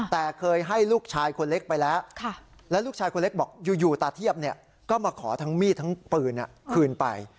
แต่เคยให้ลูกชายคนเล็กไปแล้วและลูกชายคนเล็กบอกอยู่ตาเทียบก็มาขอทั้งมีดทั้งปืนคืนไป